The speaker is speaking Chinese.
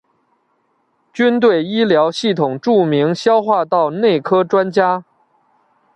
军队医疗系统著名消化道内科专家。